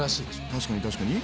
確かに確かに。